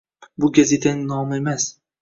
Bu gazetaning nomi emas